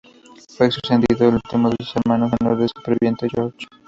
Fue sucedido por el último de sus hermanos menores superviviente, Jorge.